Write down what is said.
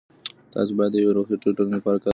تاسو باید د یوې روغې ټولنې لپاره کار وکړئ.